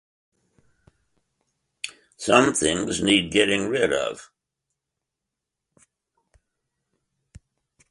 Some things need getting rid of.